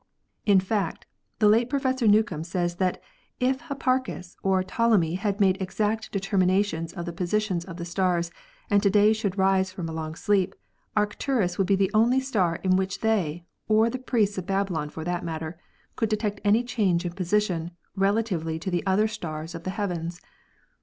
In fact, the late Pro fessor Newcomb says that if Hipparchus or Ptolemy had made exact determinations of the positions of the stars and to day should rise from a long sleep, Arcturus would be the only star in which they, or the priests of Babylon for that matter, could detect any change in position rela tively to the other stars of the heavens.